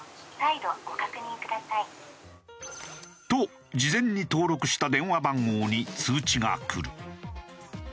と事前に登録した電話番号に通知がくる。